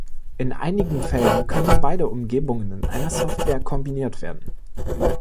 In einigen Fällen können beide Umgebungen in einer Software kombiniert werden.